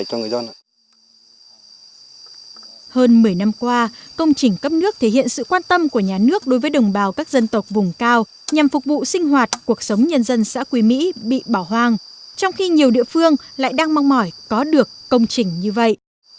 hơn một mươi năm qua công trình cấp nước thể hiện sự quan tâm của nhà nước đối với đồng bào các dân tộc vùng cao nhằm phục vụ sinh hoạt cuộc sống nhân dân xã quỳ mỹ bị bỏ hoang trong khi nhiều địa phương lại đang mong mỏi có được công trình như vậy